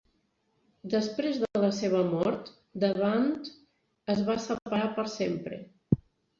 Després de la seva mort, The Band es va separar per a sempre.